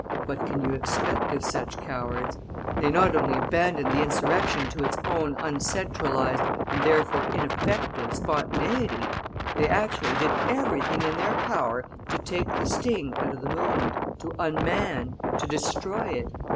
What can you expect of such cowards? They not only abandoned the insurrection to its own uncentralized, and therefore ineffective, spontaneity, they actually did everything in their power to take the sting out of the movement, to unman, to destroy it.